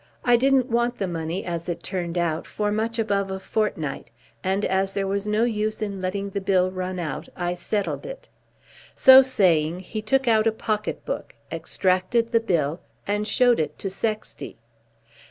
I didn't want the money, as it turned out, for much above a fortnight, and as there was no use in letting the bill run out, I settled it." So saying he took out a pocket book, extracted the bill, and showed it to Sexty.